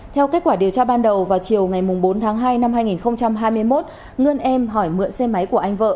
theo kết quả điều tra ban đầu vào chiều ngày bốn tháng hai năm hai nghìn hai mươi một ngân em hỏi mượn xe máy của anh vợ